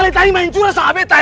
ale tadi main curah sama betta ya